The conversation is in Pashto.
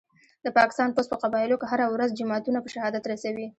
د پاکستان پوځ په قبایلو کي هره ورځ جوماتونه په شهادت رسوي